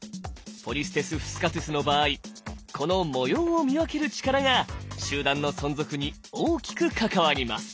ポリステス・フスカトゥスの場合この模様を見分ける力が集団の存続に大きく関わります。